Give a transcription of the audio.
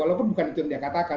walaupun bukan itu yang dia katakan